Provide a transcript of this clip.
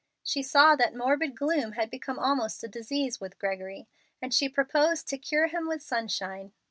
She saw that morbid gloom had become almost a disease with Gregory, and she proposed to cure him with sunshine.